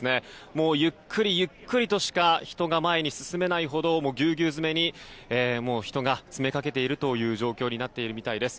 もうゆっくりゆっくりとしか人が前に進めないほどぎゅうぎゅう詰めに人が詰めかけている状況です。